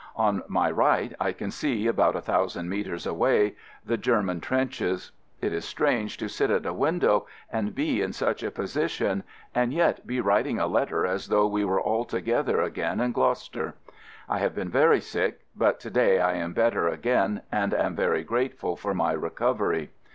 On my right I can see, about a thousand metres away, the German trenches. It is strange to sit at a window and be in such a position, and 26 AMERICAN AMBULANCE yet be writing a letter as though we were all together again in Gloucester. I have been very sick, but to day I am better again and am very grateful for my recov ery.